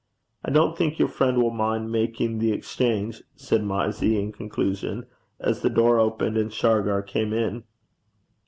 I don't think your friend will mind making the exchange,' said Mysie in conclusion, as the door opened and Shargar came in.